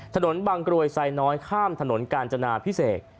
ถนนบางกรวยไซน้อยข้ามถนนกาญจนาพิเศษ